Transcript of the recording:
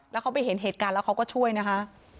แล้วเขาไปเห็นเหตุการณ์แล้วเขาก็ช่วยนะคะ